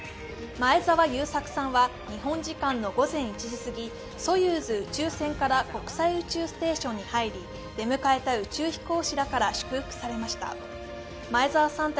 前澤友作さんは日本時間の午前１時過ぎ、ソユーズ宇宙船から国際宇宙ステーションに入り、出迎えた宇宙飛行士らから祝福されました。